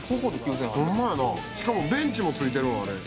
しかもベンチも付いてる、あれ。